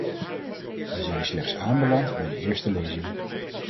Wij zijn slechts aanbeland bij de eerste lezing.